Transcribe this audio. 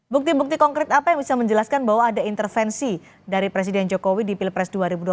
bukti bukti konkret apa yang bisa menjelaskan bahwa ada intervensi dari presiden jokowi di pilpres dua ribu dua puluh